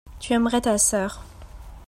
tu aimerais ta sœur.